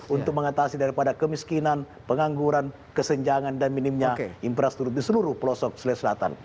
untuk mengatasi daripada kemiskinan pengangguran kesenjangan dan minimnya infrastruktur di seluruh pelosok sulawesi selatan